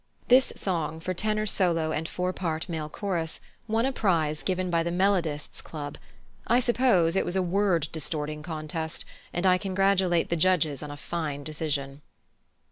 This song, for tenor solo and four part male chorus, won a prize given by the Melodists' Club. I suppose it was a word distorting contest, and I congratulate the judges on a fine decision.